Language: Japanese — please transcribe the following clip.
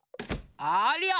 ありゃあ！